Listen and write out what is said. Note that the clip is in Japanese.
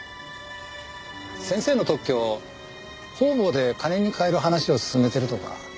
先生の特許方々で金に変える話を進めてるとか。